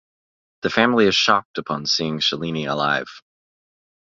The family is shocked upon seeing Shalini alive.